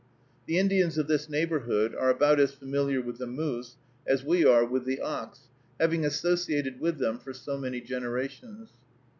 The Indians of this neighborhood are about as familiar with the moose as we are with the ox, having associated with them for so many generations.